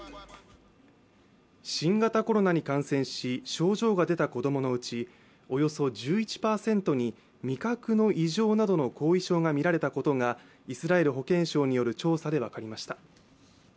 新型コロナに感染し、症状が出た子供のうちおよそ１１％に味覚の異常などの後遺症がみられたことがイスラエル保健省による調査で分かりました。